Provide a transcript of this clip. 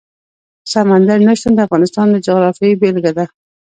سمندر نه شتون د افغانستان د جغرافیې بېلګه ده.